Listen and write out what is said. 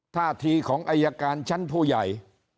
ท่าทีของอายการชั้นผู้ใหญ่